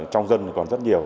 trong dân còn rất nhiều